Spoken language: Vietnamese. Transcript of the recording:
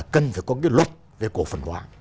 cần phải có cái lúc về cổ phần hóa